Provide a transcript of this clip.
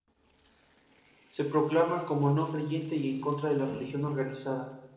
Se proclama como no creyente y en contra de la religión organizada.